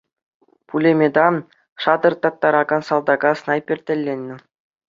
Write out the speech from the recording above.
Пулеметпа шатӑртаттаракан салтака снайпер тӗлленӗ.